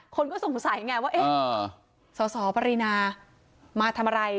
คนก็สงสัยเนี่ยว่าเอ้สสประเรณามาทำอะไร